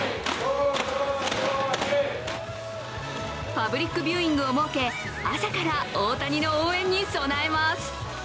パブリックビューイングを設け、朝から大谷の応援に備えます。